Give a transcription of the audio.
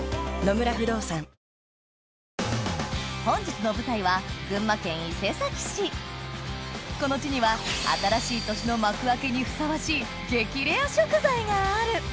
本日の舞台はこの地には新しい年の幕開けにふさわしい激レア食材がある！